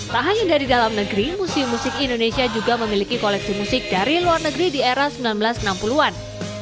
tak hanya dari dalam negeri museum musik indonesia juga memiliki koleksi musik dari luar negeri di era seribu sembilan ratus enam puluh an